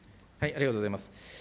ありがとうございます。